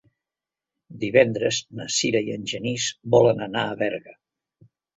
Divendres na Sira i en Genís volen anar a Berga.